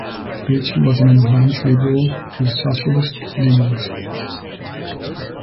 Ritchie was an advanced liberal with socialist leanings.